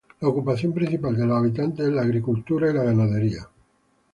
La ocupación principal de los habitantes es la agricultura y la ganadería.